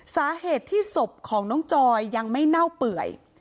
สาเหตุที่ศพของน้องจอยยังไม่เน่าเปื่อย